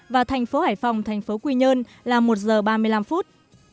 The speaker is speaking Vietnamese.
và thành phố hải phòng thành phố quy nhơn là một giờ ba mươi năm phút